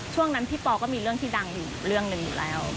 ช่วงนั้นพี่ปอก็มีเรื่องที่ดังอยู่เรื่องหนึ่งอยู่แล้ว